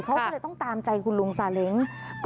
เขาก็เลยต้องตามใจคุณลุงซาเล้ง